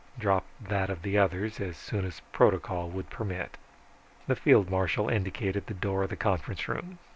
Dropped that of the other's as soon as protocol would permit. The field marshal indicated the door of the conference hall.